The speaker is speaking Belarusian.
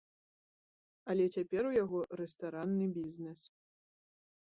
Але цяпер у яго рэстаранны бізнэс.